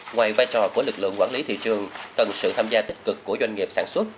ngoài vai trò của lực lượng quản lý thị trường cần sự tham gia tích cực của doanh nghiệp sản xuất